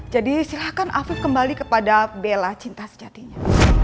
jadi silahkan afif kembali kepada bella cinta sejatinya